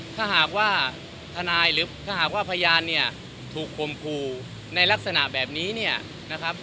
ถ้าหากว่าทนายหรือถ้าหากว่าพยานเนี่ยถูกคมครูในลักษณะแบบนี้เนี่ยนะครับ